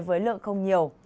với lượng không nhiều